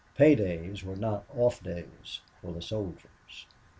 Pay days were not off days for the soldiers.